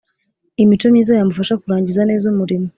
Imico myiza yamufasha kurangiza neza umurimo